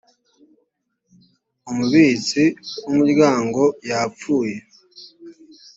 umubitsi w umuryango yapfuye